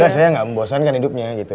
ya bener saya nggak membosankan hidupnya gitu